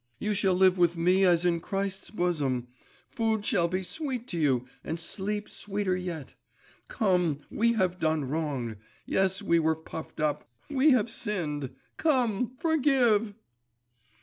You shall live with me as in Christ's bosom; food shall be sweet to you and sleep sweeter yet. Come, we have done wrong! yes, we were puffed up, we have sinned; come, forgive!